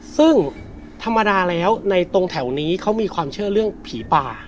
ซึ่งธรรมดาแล้วในตรงแถวนี้เขามีความเชื่อเรื่องผีป่า